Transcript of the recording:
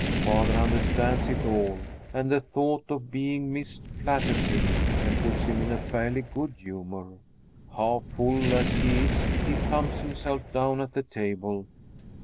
Father understands it all, and the thought of being missed flatters him and puts him in a fairly good humor. Half full as he is, he plumps himself down at the table.